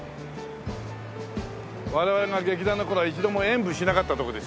我々が劇団の頃は一度も演舞しなかった所ですよ。